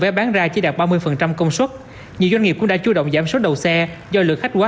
vé bán ra chỉ đạt ba mươi công suất nhiều doanh nghiệp cũng đã chú động giảm số đầu xe do lượng khách quá